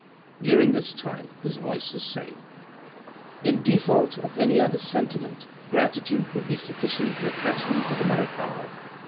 During this time his voice was saying, "In default of any other sentiment, gratitude would be sufficient to attach me to the marechale.